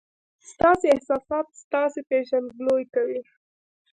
ستاسي احساسات ستاسي پېژندګلوي کوي.